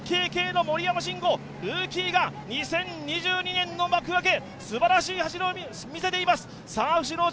ＹＫＫの森山真伍、ルーキーが２０２２年の幕開け、すばらしい走りを見せています。